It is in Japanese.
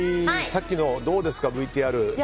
さっきのどうですかＶＴＲ。